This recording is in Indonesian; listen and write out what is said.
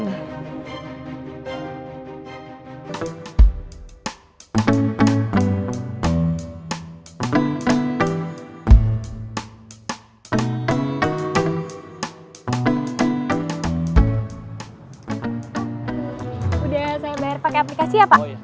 udah saya bayar pake aplikasi ya pak